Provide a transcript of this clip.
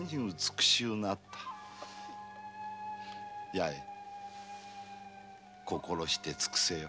八重心して尽くせよ。